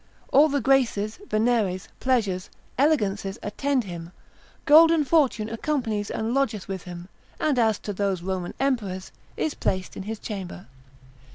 All the graces, Veneres, pleasures, elegances attend him, golden fortune accompanies and lodgeth with him; and as to those Roman emperors, is placed in his chamber.